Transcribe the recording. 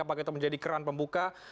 apakah itu menjadi keran pembuka